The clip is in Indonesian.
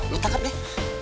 lu tangkap deh